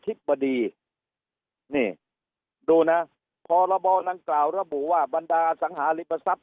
บดีนี่ดูนะพรบดังกล่าวระบุว่าบรรดาสังหาริปทรัพย